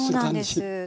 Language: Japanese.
そうなんです。